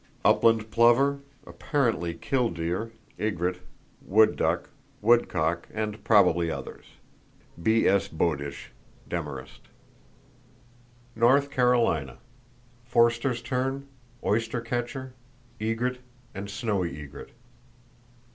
Upland plover, apparently killdeer, egret, wood duck, woodcock, and probably others.—(B.S. Bowdish, Demarest.) North Carolina: Forster's tern, oystercatcher, egret and snowy egret.